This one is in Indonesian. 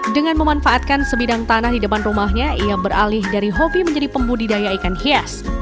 dengan memanfaatkan sebidang tanah di depan rumahnya ia beralih dari hobi menjadi pembudidaya ikan hias